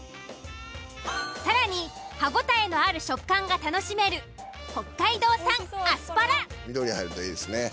更に歯応えのある食感が楽しめる緑入るといいですね。